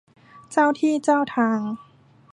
เจ้าที่เจ้าทาง